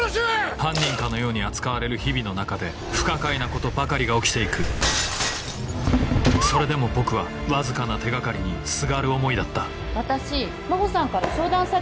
犯人かのように扱われる日々の中で不可解なことばかりが起きて行くそれでも僕はわずかな手掛かりにすがる思いだった私真帆さんから相談されてたんですよ